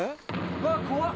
うわ怖っ！